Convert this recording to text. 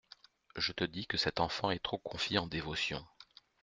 Je te dis que cet enfant est trop confit en dévotion.